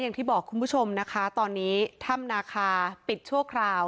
อย่างที่บอกคุณผู้ชมนะคะตอนนี้ถ้ำนาคาปิดชั่วคราว